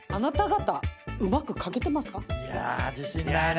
いや自信ないな。